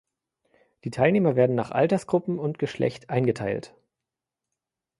Die Teilnehmer werden nach Altersgruppen und Geschlecht eingeteilt.